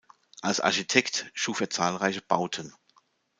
Als Architekt schuf er zahlreiche Bauten.